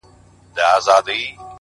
له څه مودې راهيسي داسـي يـمـه ـ